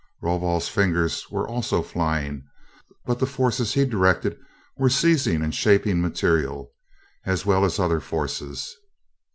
Rovol's fingers were also flying, but the forces he directed were seizing and shaping material, as well as other forces.